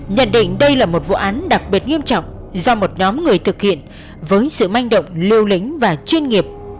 nhận định đây là một vụ án đặc biệt nghiêm trọng do một nhóm người thực hiện với sự manh động lưu lĩnh và chuyên nghiệp